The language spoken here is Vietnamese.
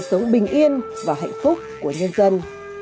yên yên và hạnh phúc của nhân dân